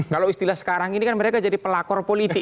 kalau istilah sekarang ini kan mereka jadi pelakor politik